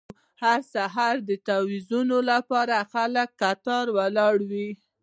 هر سهار د تاویزونو لپاره خلک کتار ولاړ وو.